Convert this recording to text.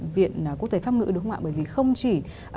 viện quốc tế pháp ngữ đúng không ạ bởi vì không chỉ